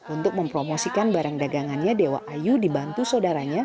untuk mempromosikan barang dagangannya dewa ayu dibantu sobat karya